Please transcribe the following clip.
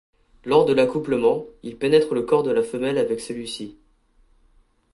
Lors de l'accouplement, il pénètre le corps de la femelle avec celui-ci.